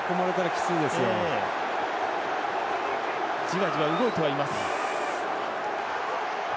じわじわ動いてはいます。